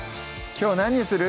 きょう何にする？